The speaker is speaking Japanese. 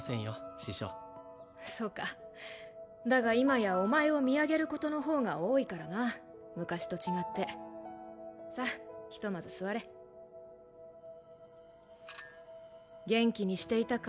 師匠そうかだが今やお前を見上げることの方が多いからな昔と違ってさあひとまず座れ元気にしていたか？